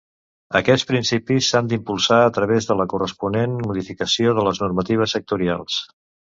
Aquests principis s'han d'impulsar a través de la corresponent modificació de les normatives sectorials.